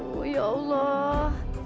aduh ya allah